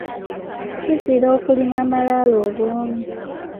Kizira okulima amalaalo obwomu.